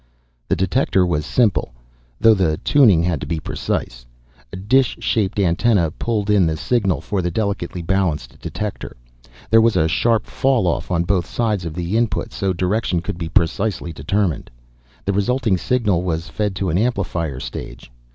The detector was simple, though the tuning had to be precise. A dish shaped antenna pulled in the signal for the delicately balanced detector. There was a sharp fall off on both sides of the input so direction could be precisely determined. The resulting signal was fed to an amplifier stage.